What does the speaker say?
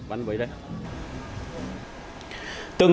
mở bánh đây bánh bấy đây